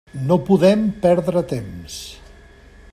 No podem perdre temps.